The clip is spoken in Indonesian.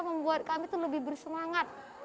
membuat kami lebih bersemangat